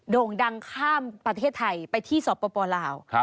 โด่งดังข้ามประเทศไทยไปที่สปลาว